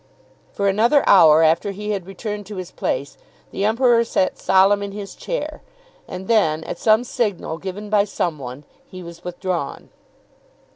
For another hour after he had returned to his place, the Emperor sat solemn in his chair; and then, at some signal given by some one, he was withdrawn.